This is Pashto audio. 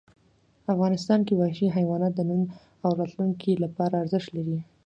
افغانستان کې وحشي حیوانات د نن او راتلونکي لپاره ارزښت لري.